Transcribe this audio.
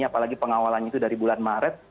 apalagi pengawalannya itu dari bulan maret